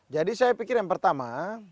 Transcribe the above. jadi saya pikir yang pertama